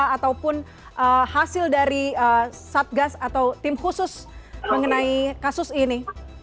ataupun hasil dari satgas atau tim khusus mengenai kasus ini